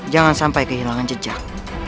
jangan sampai kehilangan jejak